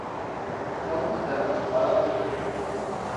• Yolg‘iz daraxt baland o‘sadi.